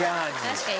確かに。